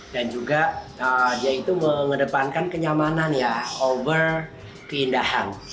dan juga dia itu mengedepankan kenyamanan ya over keindahan